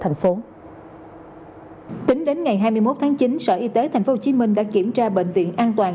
hồ chí minh tính đến ngày hai mươi một tháng chín sở y tế thành phố hồ chí minh đã kiểm tra bệnh viện an toàn